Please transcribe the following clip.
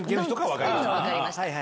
分かりました。